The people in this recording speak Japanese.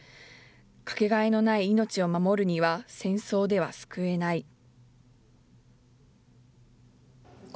かけがえのない命を守るには戦争では救えない。